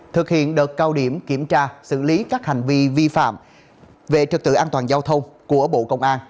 thực hiện đợt cao điểm kiểm tra xử lý các hành vi vi phạm về trật tự an toàn giao thông của bộ công an